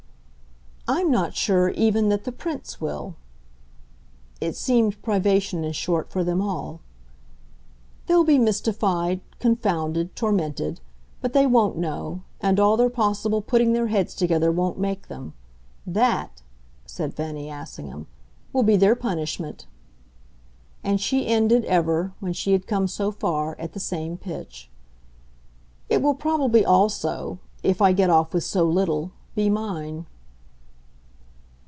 "I'm not sure even that the Prince will." It seemed privation, in short, for them all. "They'll be mystified, confounded, tormented. But they won't know and all their possible putting their heads together won't make them. That," said Fanny Assingham, "will be their punishment." And she ended, ever, when she had come so far, at the same pitch. "It will probably also if I get off with so little be mine."